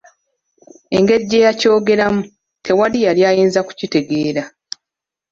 Engeri gye yakyogeramu, tewali yali ayinza kukitegeera.